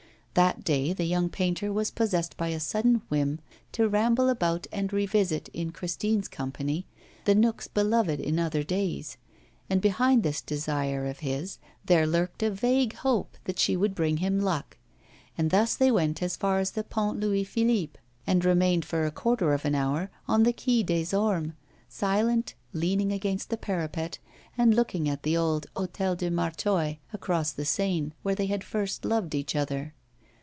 That day the young painter was possessed by a sudden whim to ramble about and revisit in Christine's company the nooks beloved in other days; and behind this desire of his there lurked a vague hope that she would bring him luck. And thus they went as far as the Pont Louis Philippe, and remained for a quarter of an hour on the Quai des Ormes, silent, leaning against the parapet, and looking at the old Hôtel du Martoy, across the Seine, where they had first loved each other.